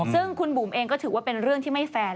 ซึ่งคุณบุ๋มเองก็ถือว่าเป็นเรื่องที่ไม่แฟน